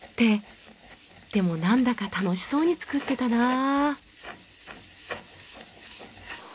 でもなんだか楽しそうに作ってたなあ。